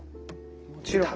もちろん。